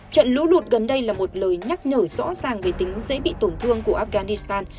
trận lũ lụt gần đây là một lời nhắc nhở rõ ràng về tính dễ bị tổn thương của afghanistan